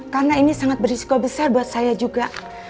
karena ini sangat berisiko besar buat saya juga